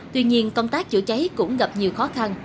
tuy nhiên công tác chữa cháy cũng gặp nhiều khó khăn